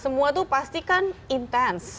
semua itu pasti kan intens